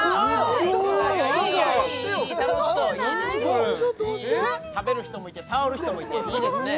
何この食べる人もいて触る人もいていいですね